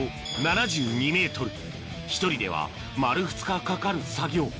１人では丸２日かかる作業